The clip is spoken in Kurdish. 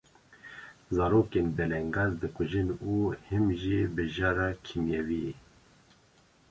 zarokên belengaz bikujin û him jî bi jara kîmyewiyê.